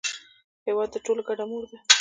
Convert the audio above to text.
هېواد د ټولو ګډه مور ده.